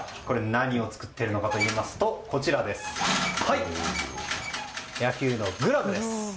何を作っているのかといいますと野球のグラブです。